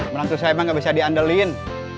menantu saya emang nggak bisa diandalkan